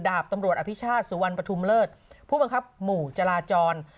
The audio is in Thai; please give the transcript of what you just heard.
ดาบตำรวจอภิชาติสุวรรณปฐุมเลิศผู้บังคับหมู่จราจร